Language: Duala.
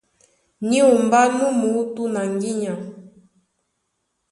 Ní unmbá nú muútú na ŋgínya.